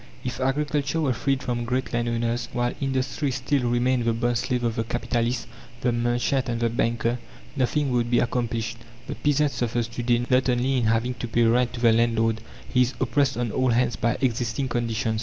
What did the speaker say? If agriculture were freed from great landowners, while industry still remained the bond slave of the capitalist, the merchant, and the banker, nothing would be accomplished. The peasant suffers to day not only in having to pay rent to the landlord; he is oppressed on all hands by existing conditions.